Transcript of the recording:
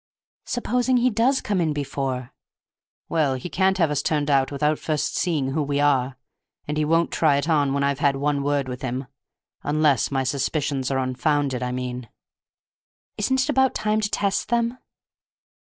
"Supposing he does come in before?" "Well, he can't have us turned out without first seeing who we are, and he won't try it on when I've had one word with him. Unless my suspicions are unfounded, I mean." "Isn't it about time to test them?"